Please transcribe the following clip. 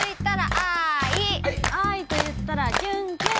愛と言ったらキュンキュン。